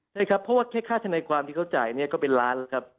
ใช่ครับเพราะว่าแค่ค่าธนายความที่เขาจ่ายเนี่ยก็เป็นล้านครับ